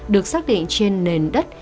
được xác định trên nền đất